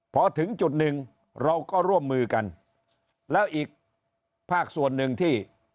พอถึงจุดหนึ่งเราก็ร่วมมือกันแล้วอีกภาคส่วนหนึ่งที่